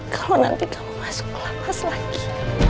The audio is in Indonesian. kalo nanti kamu masuk ke lamas lagi